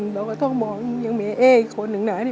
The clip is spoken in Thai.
เราก็ต้องมองยังมีแอ๊คคนอื่นน้อย่างนี้